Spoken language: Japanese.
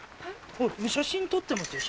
写真撮ってますよ